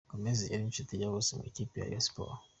Gomez yari inshuti ya bose mu ikipe ya Rayon Sports.